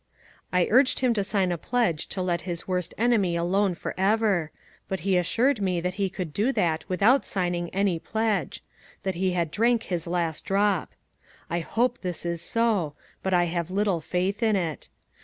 I uiged him to sign a pledge to let his worst enemy alone forever, but he assured me that he could do that without signing any pledge; that he had drank his last drop. I hope this is so, but I have little faith in it.